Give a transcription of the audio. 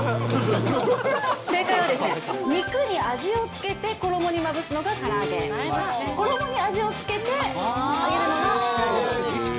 正解は、肉に味を付けて衣にまぶすのがから揚げ、衣に味を付けて揚げるのがフライドチキンです。